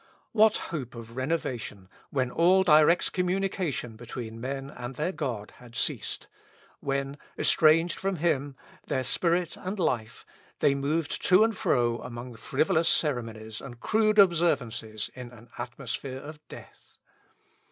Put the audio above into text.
What hope of renovation, when all direct communication between men and their God had ceased when, estranged from him, their spirit and life, they moved to and fro among frivolous ceremonies and crude observances in an atmosphere of death!